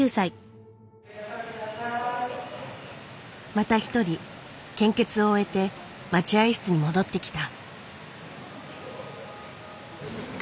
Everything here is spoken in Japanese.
また一人献血を終えて待合室に戻ってきた。